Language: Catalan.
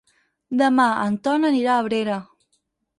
Demà en Ton anirà a Abrera.